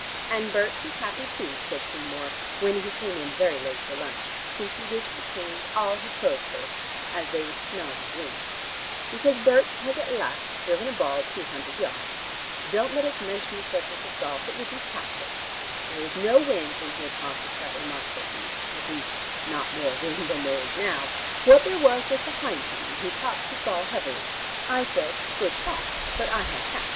"And Berts is happy too," said Seymour, when he came in very late for lunch, since he wished to change all his clothes first, as they 'smelled of wind,' "because Berts has at last driven a ball two hundred yards. Don't let us mention the subject of golf. It would be tactless. There was no wind when he accomplished that remarkable feat, at least not more wind than there is now. What there was was behind him, and he topped his ball heavily. I said 'Good shot.' But I have tact.